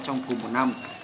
trong cùng một năm